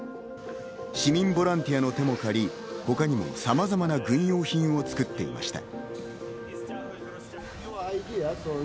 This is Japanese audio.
市民ボランティアの手も借り、他にもさまざまな軍用品を作っていました。